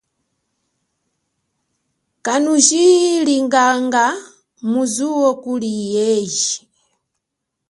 Kanundjililanga mu zuwo kuli eji.